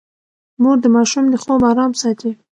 مور د ماشوم د خوب ارام ساتي.